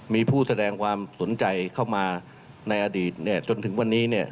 มีผู้แสดงความสนใจเข้ามาในอดีตเนี่ยจนถึงวันนี้เนี่ย